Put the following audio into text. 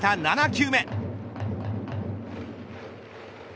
７球目。